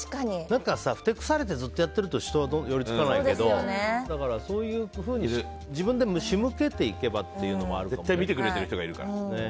ふてくされてやってると人は寄り付かないけどそういうふうに自分でも仕向けていけば絶対見てくれてる人がいるから。